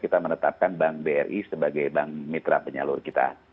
kita menetapkan bank bri sebagai bank mitra penyalur kita